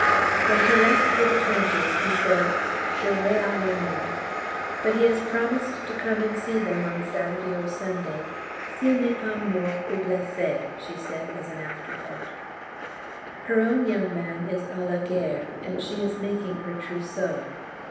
When he left for the trenches he said, "Je vais à la mort," but he has promised to come and see them on Saturday or Sunday, "s'il n'est pas mort, ou blessé," she said, as an afterthought. Her own young man is à la Guerre, and she is making her trousseau.